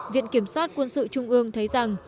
viện kiểm soát quân sự trung ương thấy rằng